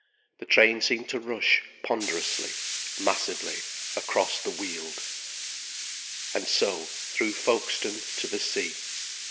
The train seemed to rush ponderously, massively, across the Weald. And so, through Folkestone to the sea.